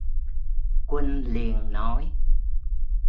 Quân liền nói